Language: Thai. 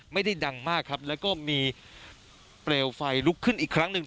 ไม่ได้ดังมากครับแล้วก็มีเปลวไฟลุกขึ้นอีกครั้งหนึ่ง